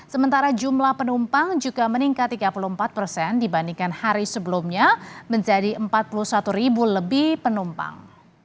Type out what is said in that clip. sementara jumlah penumpang juga meningkat tiga puluh empat persen dibandingkan hari sebelumnya menjadi empat puluh satu ribu lebih penumpang